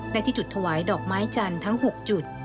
ได้ที่ถวายดอกไม้จันทร์ทั้งหกจุด